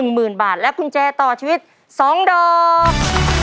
หมื่นบาทและกุญแจต่อชีวิต๒ดอก